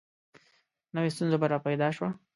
نوي ستونزه به را پیدا شوه.